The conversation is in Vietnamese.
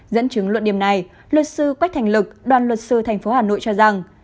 dẫn chứng luận điểm này luật sư quách thành lực đoàn luật sư tp hà nội cho rằng